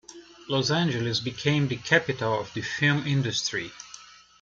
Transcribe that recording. Los Angeles became the capital of the film industry.